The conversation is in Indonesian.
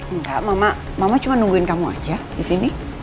enggak mama mama cuma nungguin kamu aja disini